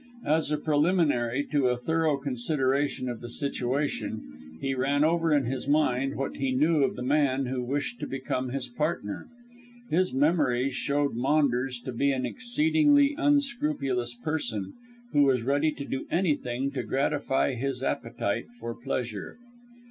As a preliminary to a thorough consideration of the situation, he ran over in his mind what he knew of the man who wished to become his partner. His memories showed Maunders to be an exceedingly unscrupulous person, who was ready to do anything to gratify his appetite for pleasure.